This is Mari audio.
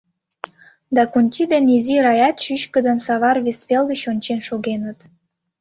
Дакунти ден изи Раят чӱчкыдын савар вес вел гыч ончен шогеныт.